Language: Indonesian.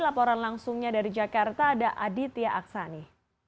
laporan langsungnya dari jakarta ada aditya aksani